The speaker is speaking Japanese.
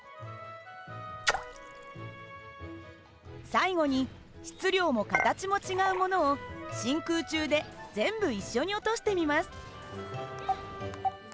最後に質量も形も違うものを真空中で全部一緒に落としてみます。